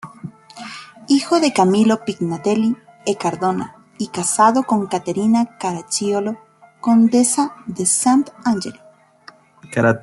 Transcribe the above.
Hijo de Camillo Pignatelli e Cardona, y casado con Caterina Caracciolo, condesa de Sant'Angelo.